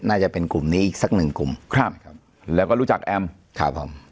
น่าจะเป็นกลุ่มนี้อีกสักหนึ่งกลุ่มครับครับแล้วก็รู้จักแอมครับผม